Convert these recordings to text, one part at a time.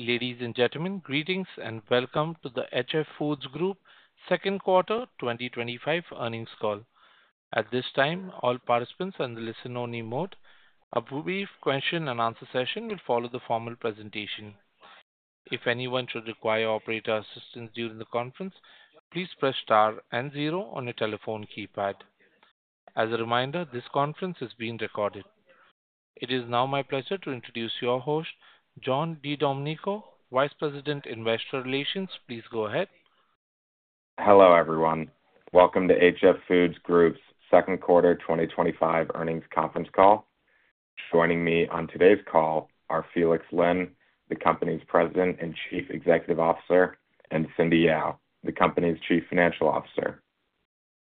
Ladies and gentlemen, greetings and welcome to the HF Foods Group Second Quarter 2025 Earnings Call. At this time, all participants are in the listen-only mode. A brief question and answer session will follow the formal presentation. If anyone should require operator assistance during the conference, please press star and zero on your telephone keypad. As a reminder, this conference is being recorded. It is now my pleasure to introduce your host, John DiDominico, Vice President, Investor Relations. Please go ahead. Hello, everyone. Welcome to HF Foods Group's Second Quarter 2025 Earnings Conference Call. Joining me on today's call are Felix Lin, the company's President and Chief Executive Officer, and Cindy Yao, the company's Chief Financial Officer.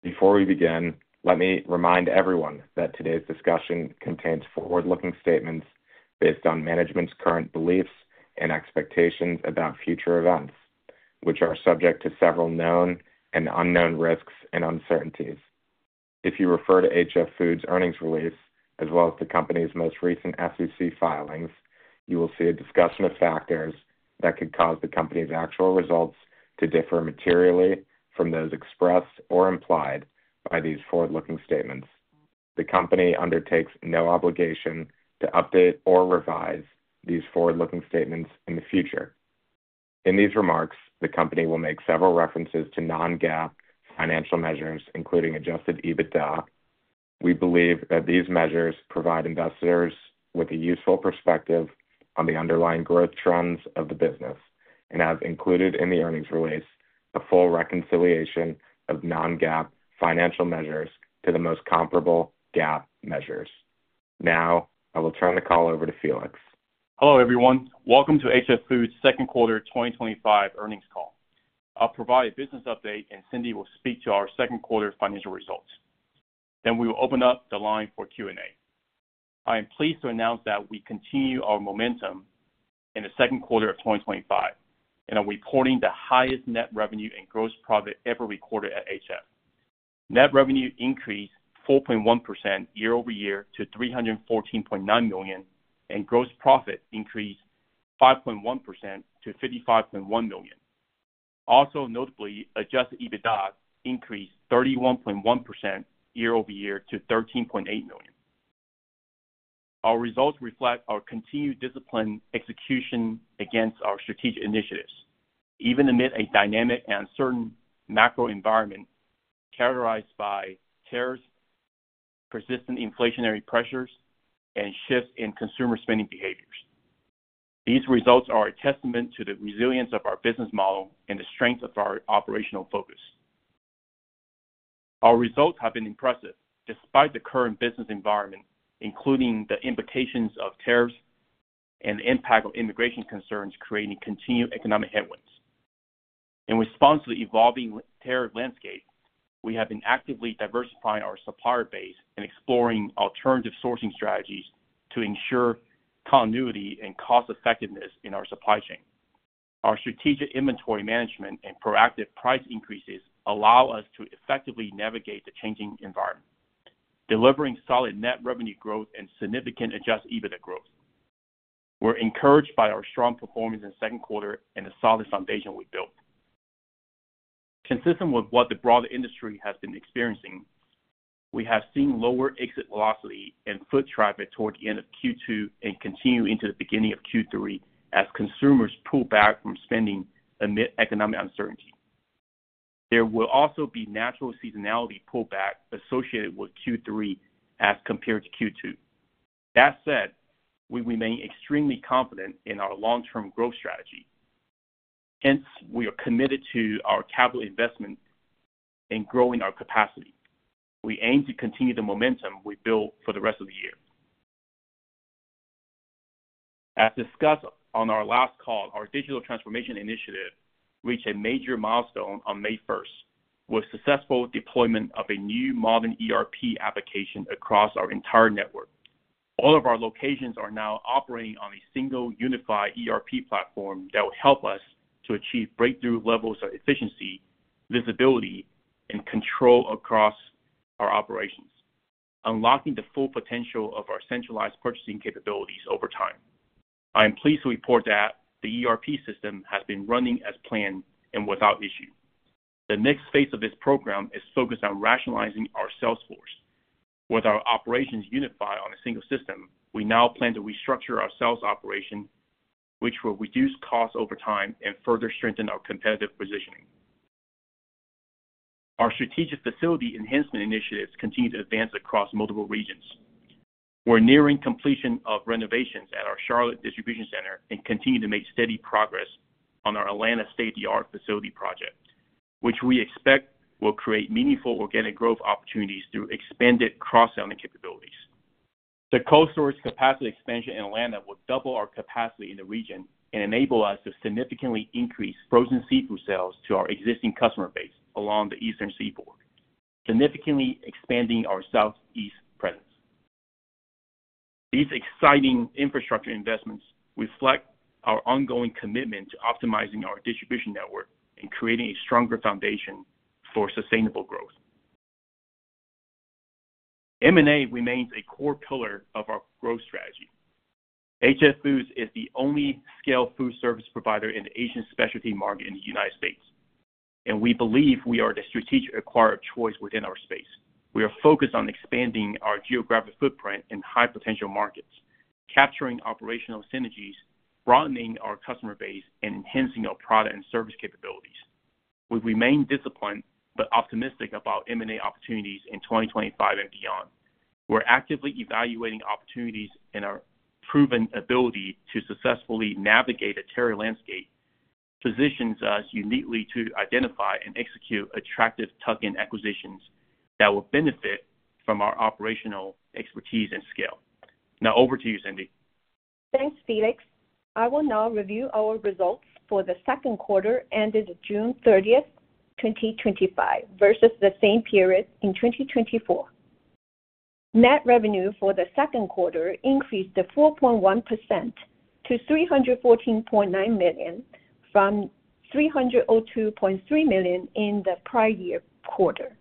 Before we begin, let me remind everyone that today's discussion contains forward-looking statements based on management's current beliefs and expectations about future events, which are subject to several known and unknown risks and uncertainties. If you refer to HF Foods' earnings release, as well as the company's most recent SEC filings, you will see a discussion of factors that could cause the company's actual results to differ materially from those expressed or implied by these forward-looking statements. The company undertakes no obligation to update or revise these forward-looking statements in the future. In these remarks, the company will make several references to non-GAAP financial measures, including adjusted EBITDA. We believe that these measures provide investors with a useful perspective on the underlying growth trends of the business and have included in the earnings release a full reconciliation of non-GAAP financial measures to the most comparable GAAP measures. Now, I will turn the call over to Felix. Hello, everyone. Welcome to HF Foods' Second Quarter 2025 Earnings Call. I'll provide a business update, and Cindy will speak to our second quarter's financial results. Then we will open up the line for Q&A. I am pleased to announce that we continue our momentum in the second quarter of 2025, and are reporting the highest net revenue and gross profit ever recorded at HF. Net revenue increased 4.1% year-over-year to $314.9 million, and gross profit increased 5.1% to $55.1 million. Also, notably, adjusted EBITDA increased 31.1% year-over-year to $13.8 million. Our results reflect our continued disciplined execution against our strategic initiatives, even amid a dynamic and uncertain macro environment characterized by tariffs, persistent inflationary pressures, and shifts in consumer spending behaviors. These results are a testament to the resilience of our business model and the strength of our operational focus. Our results have been impressive despite the current business environment, including the implications of tariffs and the impact of immigration concerns creating continued economic headwinds. In response to the evolving tariff landscape, we have been actively diversifying our supplier base and exploring alternative sourcing strategies to ensure continuity and cost-effectiveness in our supply chain. Our strategic inventory management and proactive price increases allow us to effectively navigate the changing environment, delivering solid net revenue growth and significant adjusted EBITDA growth. We're encouraged by our strong performance in the second quarter and the solid foundation we built. Consistent with what the broader industry has been experiencing, we have seen lower exit velocity and foot traffic toward the end of Q2 and continue into the beginning of Q3 as consumers pull back from spending amid economic uncertainty. There will also be natural seasonality pullback associated with Q3 as compared to Q2. That said, we remain extremely confident in our long-term growth strategy. Hence, we are committed to our capital investment and growing our capacity. We aim to continue the momentum we built for the rest of the year. As discussed on our last call, our digital transformation initiative reached a major milestone on May 1st, with successful deployment of a new modern ERP application across our entire network. All of our locations are now operating on a single unified ERP application that will help us to achieve breakthrough levels of efficiency, visibility, and control across our operations, unlocking the full potential of our centralized purchasing program over time. I am pleased to report that the ERP application has been running as planned and without issue. The next phase of this program is focused on rationalizing our sales force. With our operations unified on a single system, we now plan to restructure our sales operation, which will reduce costs over time and further strengthen our competitive positioning. Our strategic facility enhancement initiatives continue to advance across multiple regions. We're nearing completion of renovations at our Charlotte distribution center and continue to make steady progress on our Atlanta state-of-the-art facility project, which we expect will create meaningful organic growth opportunities through expanded cross-selling capabilities. The cold storage capacity expansion in Atlanta will double our capacity in the region and enable us to significantly increase frozen seafood sales to our existing customer base along the Eastern Seaboard, significantly expanding our Southeast presence. These exciting infrastructure investments reflect our ongoing commitment to optimizing our distribution network and creating a stronger foundation for sustainable growth. M&A remains a core pillar of our growth strategy. HF Foods is the only scale food service provider in the Asian specialty market in the United States, and we believe we are the strategic acquired choice within our space. We are focused on expanding our geographic footprint in high-potential markets, capturing operational synergies, broadening our customer base, and enhancing our product and service capabilities. We remain disciplined but optimistic about M&A opportunities in 2025 and beyond. We're actively evaluating opportunities and our proven ability to successfully navigate a tariff landscape that positions us uniquely to identify and execute attractive tuck-in acquisitions that will benefit from our operational expertise and scale. Now, over to you, Cindy. Thanks, Felix. I will now review our results for the second quarter ended June 30th, 2025, versus the same period in 2024. Net revenue for the second quarter increased 4.1% to $314.9 million from $302.3 million in the prior year quarter.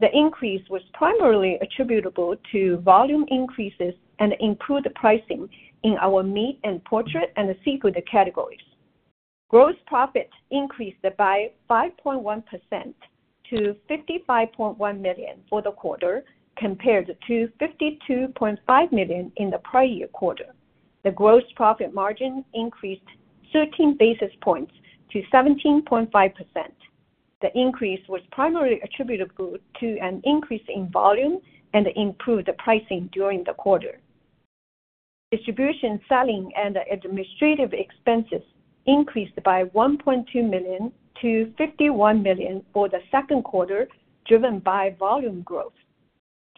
The increase was primarily attributable to volume increases and improved pricing in our meat and pork and seafood categories. Gross profit increased by 5.1% to $55.1 million for the quarter compared to $52.5 million in the prior year quarter. The gross profit margin increased 13 basis points to 17.5%. The increase was primarily attributable to an increase in volume and improved pricing during the quarter. Distribution, selling, and administrative expenses increased by $1.2 million to $51 million for the second quarter, driven by volume growth.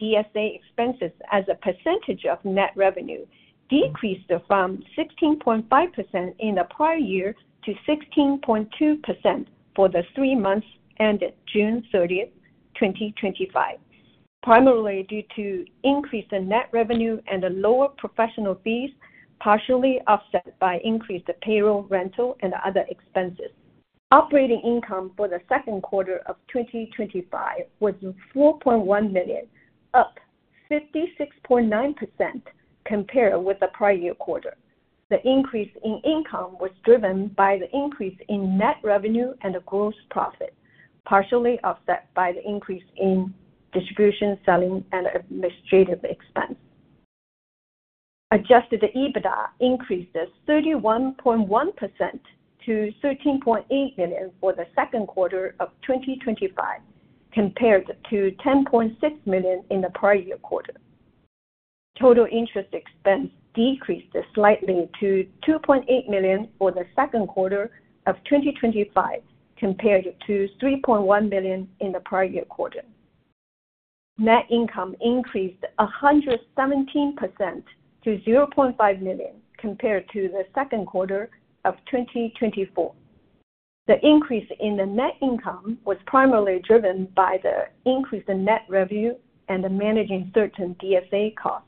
DSA expenses as a percentage of net revenue decreased from 16.5% in the prior year to 16.2% for the three months ended June 30th, 2025, primarily due to increased net revenue and lower professional fees, partially offset by increased payroll, rental, and other expenses. Operating income for the second quarter of 2025 was $4.1 million, up 56.9% compared with the prior year quarter. The increase in income was driven by the increase in net revenue and gross profit, partially offset by the increase in distribution, selling, and administrative expense. Adjusted EBITDA increased 31.1% to $13.8 million for the second quarter of 2025, compared to $10.6 million in the prior year quarter. Total interest expense decreased slightly to $2.8 million for the second quarter of 2025, compared to $3.1 million in the prior year quarter. Net income increased 117% to $0.5 million compared to the second quarter of 2024. The increase in the net income was primarily driven by the increase in net revenue and managing certain DSA costs.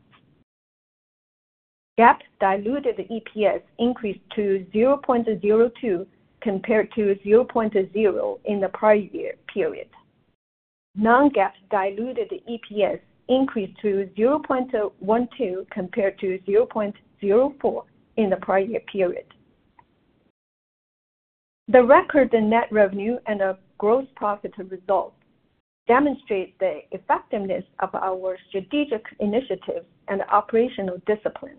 GAAP diluted EPS increased to $0.02 compared to $0.0 in the prior year period. Non-GAAP diluted EPS increased to $0.12 compared to $0.04 in the prior year period. The record net revenue and gross profit results demonstrate the effectiveness of our strategic initiatives and operational discipline.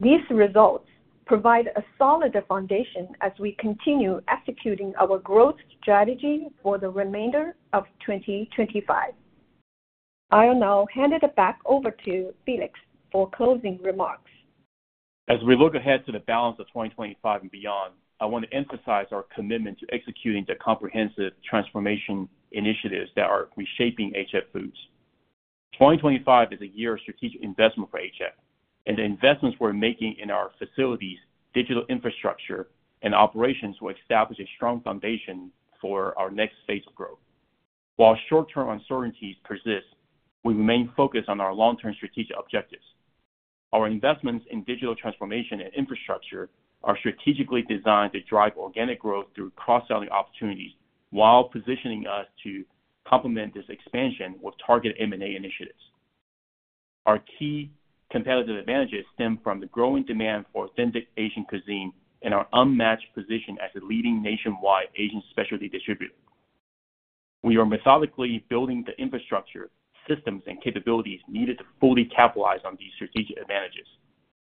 These results provide a solid foundation as we continue executing our growth strategy for the remainder of 2025. I'll now hand it back over to Felix for closing remarks. As we look ahead to the balance of 2025 and beyond, I want to emphasize our commitment to executing the comprehensive transformation initiatives that are reshaping HF Foods. 2025 is a year of strategic investment for HF, and the investments we're making in our facilities, digital infrastructure, and operations will establish a strong foundation for our next phase of growth. While short-term uncertainties persist, we remain focused on our long-term strategic objectives. Our investments in digital transformation and infrastructure are strategically designed to drive organic growth through cross-selling opportunities while positioning us to complement this expansion with target M&A initiatives. Our key competitive advantages stem from the growing demand for authentic Asian cuisine and our unmatched position as a leading nationwide Asian specialty distributor. We are methodically building the infrastructure, systems, and capabilities needed to fully capitalize on these strategic advantages.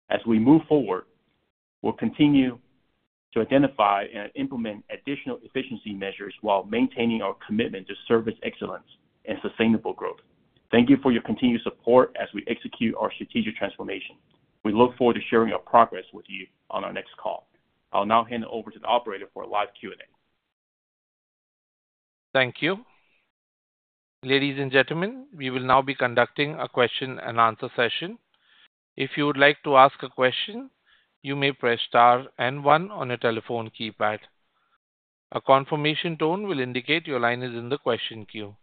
As we move forward, we'll continue to identify and implement additional efficiency measures while maintaining our commitment to service excellence and sustainable growth. Thank you for your continued support as we execute our strategic transformation. We look forward to sharing our progress with you on our next call. I'll now hand it over to the operator for a live Q&A. Thank you. Ladies and gentlemen, we will now be conducting a question and answer session. If you would like to ask a question, you may press star and one on your telephone keypad. A confirmation tone will indicate your line is in the question queue.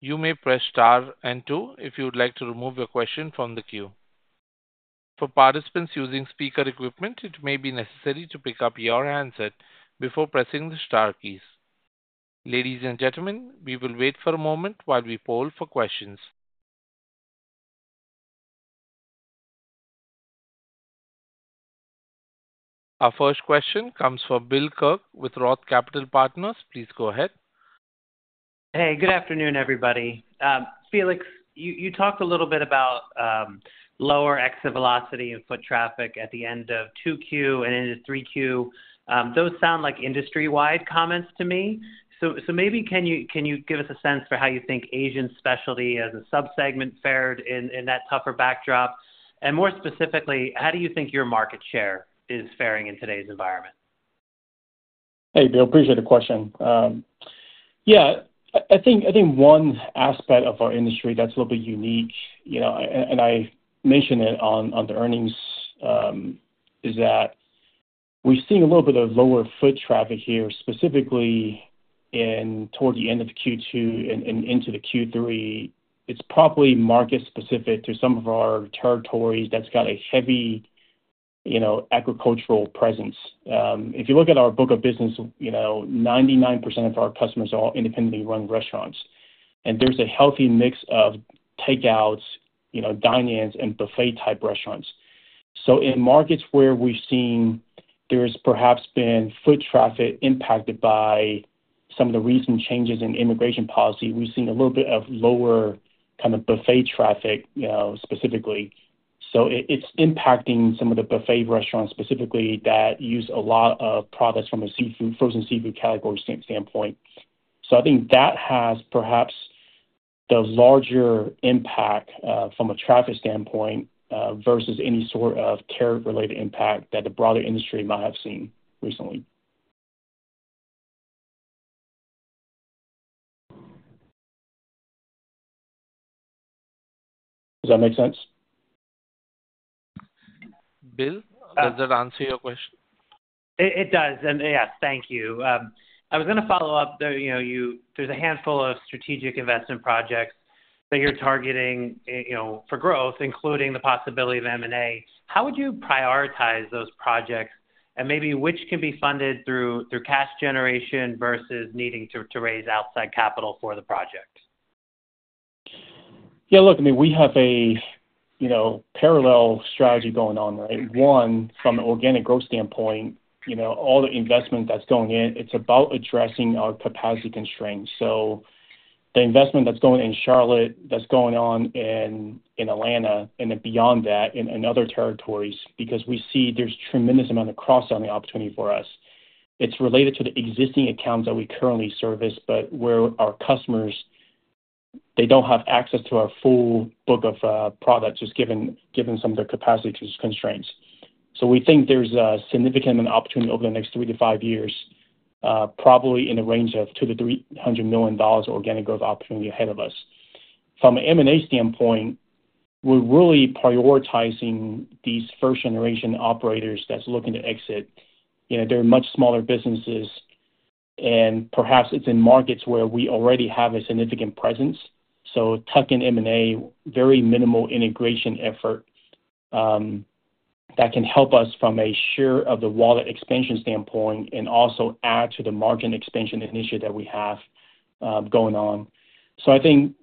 You may press star and two if you would like to remove your question from the queue. For participants using speaker equipment, it may be necessary to pick up your handset before pressing the star keys. Ladies and gentlemen, we will wait for a moment while we poll for questions. Our first question comes from Bill Kirk with Roth Capital Partners. Please go ahead. Hey, good afternoon, everybody. Felix, you talked a little bit about lower exit velocity and foot traffic at the end of 2Q and into 3Q. Those sound like industry-wide comments to me. Maybe can you give us a sense for how you think Asian specialty as a subsegment fared in that tougher backdrop? More specifically, how do you think your market share is faring in today's environment? Hey, Bill, appreciate the question. Yeah, I think one aspect of our industry that's a little bit unique, you know, and I mentioned it on the earnings, is that we're seeing a little bit of lower foot traffic here, specifically toward the end of Q2 and into Q3. It's probably market-specific to some of our territories that's got a heavy, you know, agricultural presence. If you look at our book of business, you know, 99% of our customers are all independently run restaurants, and there's a healthy mix of takeouts, you know, dining and buffet-type restaurants. In markets where we've seen there's perhaps been foot traffic impacted by some of the recent changes in immigration policy, we've seen a little bit of lower kind of buffet traffic, you know, specifically. It's impacting some of the buffet restaurants specifically that use a lot of products from a frozen seafood category standpoint. I think that has perhaps the larger impact from a traffic standpoint versus any sort of tariff-related impact that the broader industry might have seen recently. Does that make sense? Bill, does that answer your question? It does, yeah, thank you. I was going to follow up, you know, there's a handful of strategic investment projects that you're targeting, you know, for growth, including the possibility of M&A. How would you prioritize those projects and maybe which can be funded through cash generation versus needing to raise outside capital for the projects? Yeah, look, I mean, we have a parallel strategy going on, right? One, from the organic growth standpoint, all the investment that's going in, it's about addressing our capacity constraints. The investment that's going in Charlotte, that's going on in Atlanta, and then beyond that in other territories, because we see there's a tremendous amount of cross-selling opportunity for us. It's related to the existing accounts that we currently service, but where our customers, they don't have access to our full book of products, just given some of their capacity constraints. We think there's a significant opportunity over the next three to five years, probably in the range of $200 million organic growth opportunity ahead of us. From an M&A standpoint, we're really prioritizing these first-generation operators that are looking to exit. They're much smaller businesses, and perhaps it's in markets where we already have a significant presence. Tuck-in M&A, very minimal integration effort that can help us from a share of the wallet expansion standpoint and also add to the market expansion initiative that we have going on. I think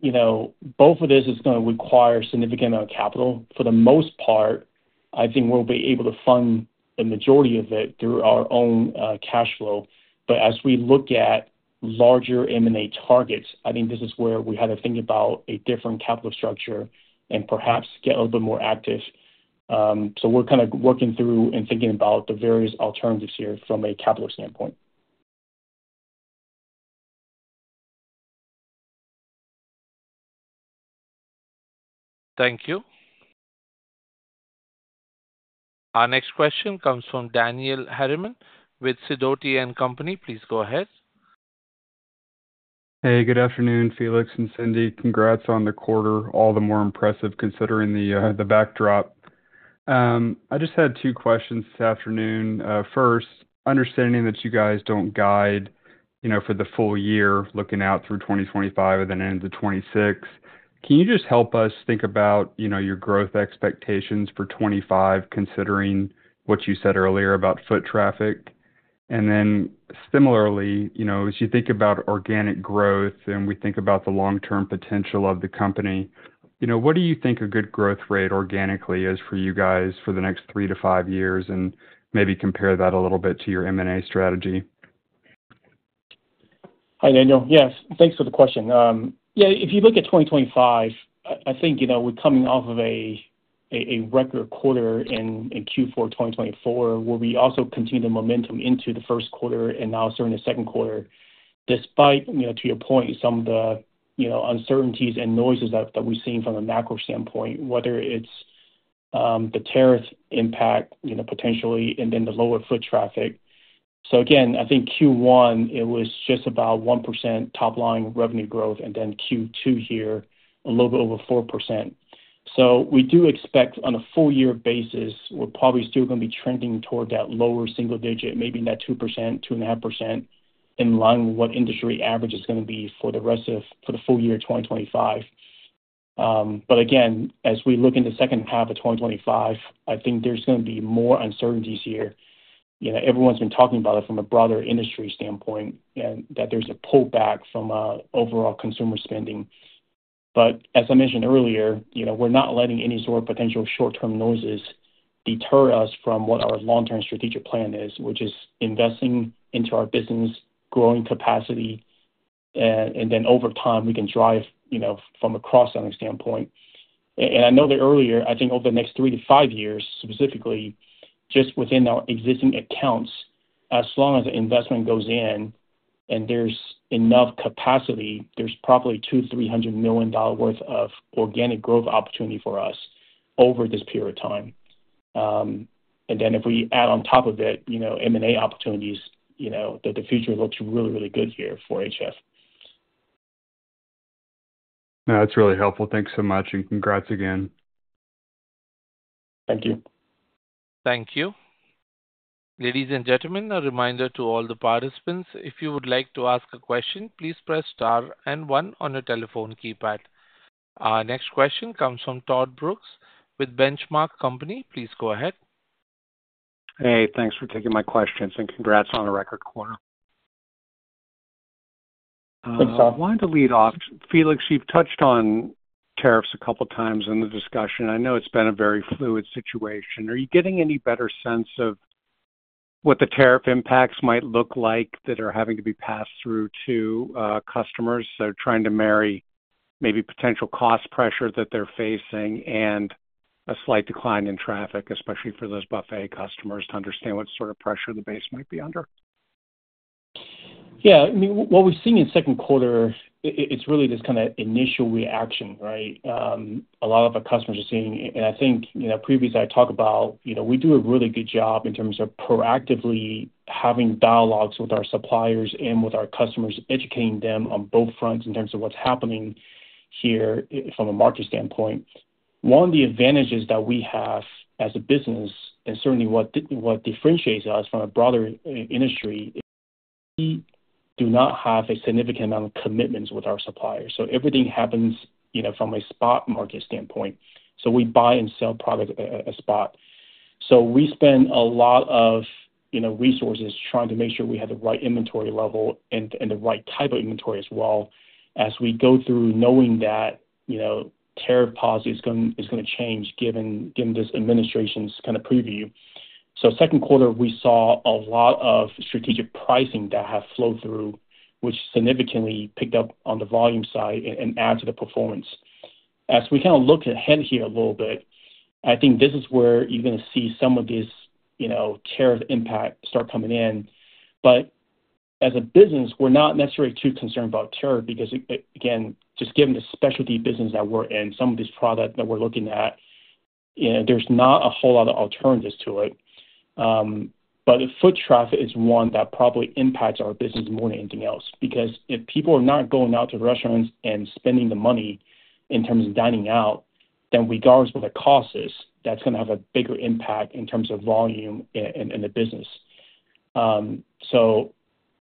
both of this is going to require a significant amount of capital. For the most part, I think we'll be able to fund the majority of it through our own cash flow. As we look at larger M&A targets, I think this is where we had to think about a different capital structure and perhaps get a little bit more active. We're kind of working through and thinking about the various alternatives here from a capital standpoint. Thank you. Our next question comes from Daniel Harriman with Sidoti & Company. Please go ahead. Hey, good afternoon, Felix and Cindy. Congrats on the quarter, all the more impressive considering the backdrop. I just had two questions this afternoon. First, understanding that you guys don't guide for the full year looking out through 2025 and then into 2026, can you just help us think about your growth expectations for 2025 considering what you said earlier about foot traffic? Similarly, as you think about organic growth and we think about the long-term potential of the company, what do you think a good growth rate organically is for you guys for the next three to five years and maybe compare that a little bit to your M&A strategy? Hi, Daniel. Yes, thanks for the question. If you look at 2025, I think we're coming off of a record quarter in Q4 2024, where we also continued the momentum into the first quarter and now starting the second quarter. Despite, to your point, some of the uncertainties and noises that we've seen from the macro standpoint, whether it's the tariff impact, potentially, and then the lower foot traffic. I think Q1, it was just about 1% top line revenue growth, and Q2 here, a little bit over 4%. We do expect on a full-year basis, we're probably still going to be trending toward that lower single digit, maybe not 2%, 2.5% in line with what industry average is going to be for the rest of the full year of 2025. As we look into the second half of 2025, I think there's going to be more uncertainties here. Everyone's been talking about it from a broader industry standpoint and that there's a pullback from overall consumer spending. As I mentioned earlier, we're not letting any sort of potential short-term noises deter us from what our long-term strategic plan is, which is investing into our business, growing capacity, and then over time we can drive, from a cross-selling standpoint. I noted earlier, I think over the next three to five years, specifically just within our existing accounts, as long as the investment goes in and there's enough capacity, there's probably $200 million-$300 million worth of organic growth opportunity for us over this period of time. If we add on top of it, M&A opportunities, the future looks really, really good here for HF. No, that's really helpful. Thanks so much and congrats again. Thank you. Thank you. Ladies and gentlemen, a reminder to all the participants, if you would like to ask a question, please press star and one on your telephone keypad. Our next question comes from Todd Brooks with Benchmark Company. Please go ahead. Hey, thanks for taking my questions, and congrats on the record quarter. Thanks, Todd. I wanted to lead off. Felix, you've touched on tariffs a couple of times in the discussion. I know it's been a very fluid situation. Are you getting any better sense of what the tariff impacts might look like that are having to be passed through to customers? Trying to marry maybe potential cost pressure that they're facing and a slight decline in traffic, especially for those buffet customers, to understand what sort of pressure the base might be under? Yeah, I mean, what we've seen in the second quarter, it's really this kind of initial reaction, right? A lot of our customers are seeing, and I think, you know, previously I talked about, you know, we do a really good job in terms of proactively having dialogues with our suppliers and with our customers, educating them on both fronts in terms of what's happening here from a market standpoint. One of the advantages that we have as a business, and certainly what differentiates us from a broader industry, is we do not have a significant amount of commitments with our suppliers. Everything happens, you know, from a spot market standpoint. We buy and sell products at spot. We spend a lot of, you know, resources trying to make sure we have the right inventory level and the right type of inventory as well as we go through knowing that, you know, tariff policy is going to change given this administration's kind of preview. Second quarter, we saw a lot of strategic pricing that have flowed through, which significantly picked up on the volume side and added to the performance. As we kind of look ahead here a little bit, I think this is where you're going to see some of this, you know, tariff impact start coming in. As a business, we're not necessarily too concerned about tariff because, again, just given the specialty business that we're in, some of these products that we're looking at, you know, there's not a whole lot of alternatives to it. If foot traffic is one that probably impacts our business more than anything else, because if people are not going out to restaurants and spending the money in terms of dining out, then regardless of what the cost is, that's going to have a bigger impact in terms of volume in the business.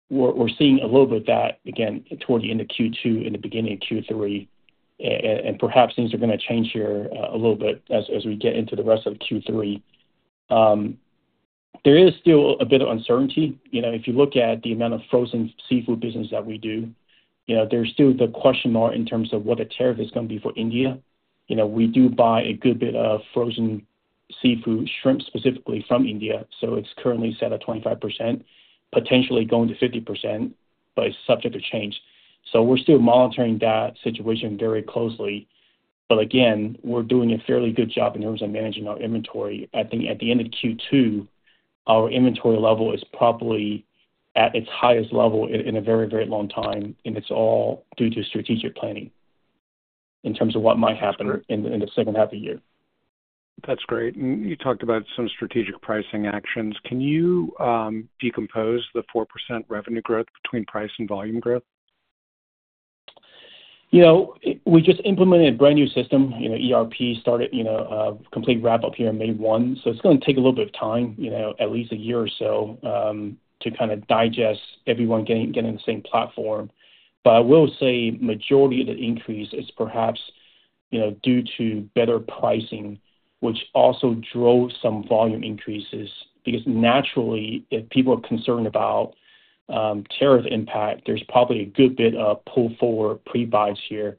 We're seeing a little bit of that, again, toward the end of Q2 and the beginning of Q3, and perhaps things are going to change here a little bit as we get into the rest of Q3. There is still a bit of uncertainty. If you look at the amount of frozen seafood business that we do, you know, there's still the question mark in terms of what the tariff is going to be for India. We do buy a good bit of frozen seafood shrimp specifically from India. It's currently set at 25%, potentially going to 50%, but it's subject to change. We're still monitoring that situation very closely. Again, we're doing a fairly good job in terms of managing our inventory. I think at the end of Q2, our inventory level is probably at its highest level in a very, very long time, and it's all due to strategic planning in terms of what might happen in the second half of the year. That's great. You talked about some strategic pricing actions. Can you decompose the 4% revenue growth between price and volume growth? We just implemented a brand new system. ERP started a complete wrap-up here on May 1. It's going to take a little bit of time, at least a year or so, to kind of digest everyone getting the same platform. I will say the majority of the increase is perhaps due to better pricing, which also drove some volume increases because naturally, if people are concerned about tariff impact, there's probably a good bit of pull forward pre-buys here.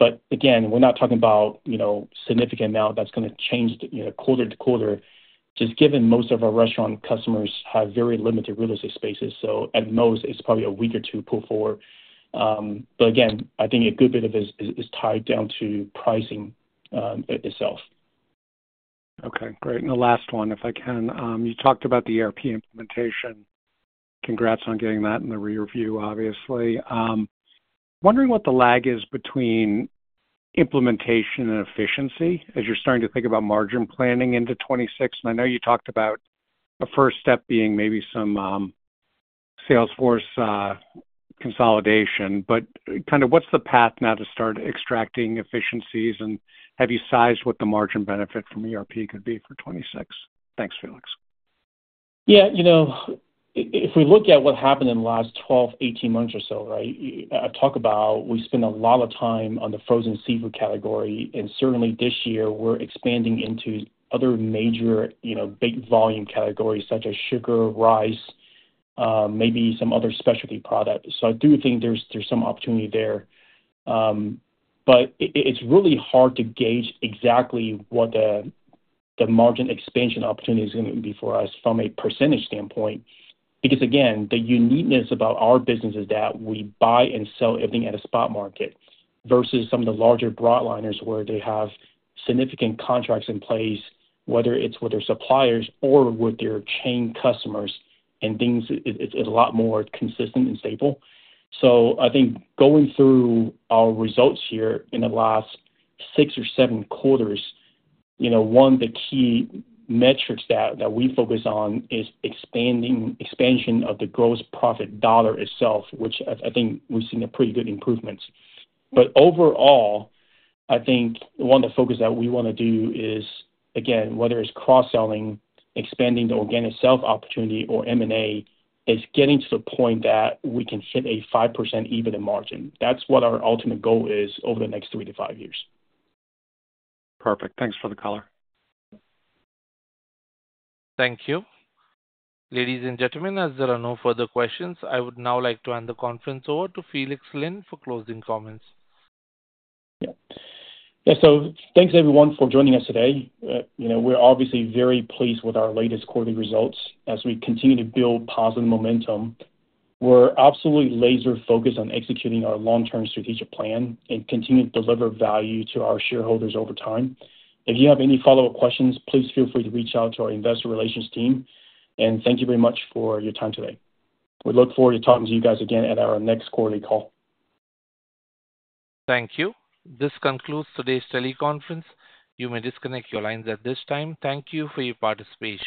We're not talking about a significant amount that's going to change the quarter to quarter just given most of our restaurant customers have very limited real estate spaces. At most, it's probably a week or two pull forward. I think a good bit of this is tied down to pricing itself. Okay, great. The last one, if I can, you talked about the ERP application implementation. Congrats on getting that in the re-review, obviously. Wondering what the lag is between implementation and efficiency as you're starting to think about margin planning into 2026. I know you talked about a first step being maybe some Salesforce consolidation, but kind of what's the path now to start extracting efficiencies and have you sized what the margin benefit from ERP could be for 2026? Thanks, Felix. Yeah, you know, if we look at what happened in the last 12 months, 18 months or so, right, I talk about we spend a lot of time on the frozen seafood category, and certainly this year we're expanding into other major, you know, big volume categories such as sugar, rice, maybe some other specialty products. I do think there's some opportunity there, but it's really hard to gauge exactly what the margin expansion opportunity is going to be for us from a percentage standpoint because, again, the uniqueness about our business is that we buy and sell everything at a spot market versus some of the larger broadliners where they have significant contracts in place, whether it's with their suppliers or with their chain customers, and things are a lot more consistent and stable. I think going through our results here in the last six or seven quarters, one of the key metrics that we focus on is expanding the expansion of the gross profit dollar itself, which I think we've seen a pretty good improvement. Overall, I think one of the focuses that we want to do is, again, whether it's cross-selling, expanding the organic sales opportunity, or M&A, is getting to the point that we can hit a 5% EBITDA margin. That's what our ultimate goal is over the next three to five years. Perfect. Thanks for the color. Thank you. Ladies and gentlemen, as there are no further questions, I would now like to hand the conference over to Felix Lin for closing comments. Thank you everyone for joining us today. We're obviously very pleased with our latest quarterly results as we continue to build positive momentum. We're absolutely laser-focused on executing our long-term strategic plan and continue to deliver value to our shareholders over time. If you have any follow-up questions, please feel free to reach out to our investor relations team, and thank you very much for your time today. We look forward to talking to you guys again at our next quarterly call. Thank you. This concludes today's teleconference. You may disconnect your lines at this time. Thank you for your participation.